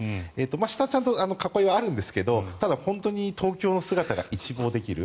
下、ちゃんと囲いはあるんですけど東京の姿が一望できる。